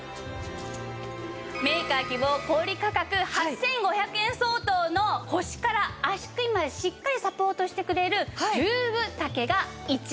メーカー希望小売価格８５００円相当の腰から足首までしっかりサポートしてくれる１０分丈が１枚。